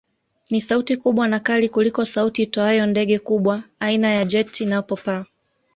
Ni sauti kubwa na kali kuliko sauti itoayo ndege kubwa aina ya jet inapopaa